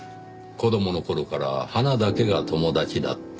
子供の頃から花だけが友達だった。